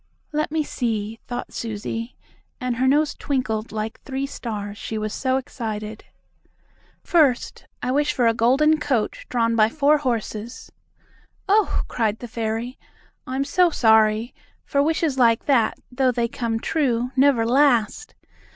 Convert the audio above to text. "Let me see," thought Susie, and her nose twinkled like three stars, she was so excited. "First I wish for a golden coach drawn by four horses." "Oh!" cried the fairy, "I'm so sorry, for wishes like that, though they come true, never last.